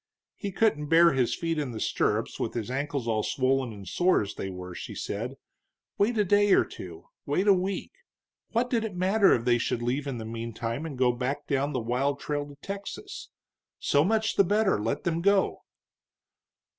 He couldn't bear his feet in the stirrups with his ankles all swollen and sore as they were, she said; wait a day or two wait a week. What did it matter if they should leave in the meantime, and go back down the wild trail to Texas? So much the better; let them go.